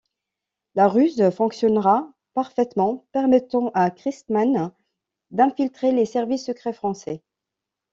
La ruse fonctionnera parfaitement, permettant à Christmann d'infiltrer les services secrets français.